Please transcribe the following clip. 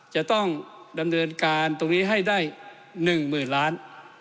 จะต้องดำเนินการตรงนี้ให้ได้๑๐๐๐ล้าน